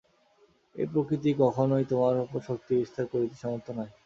এই প্রকৃতি কখনই তোমার উপর শক্তি বিস্তার করিতে সমর্থ নয়।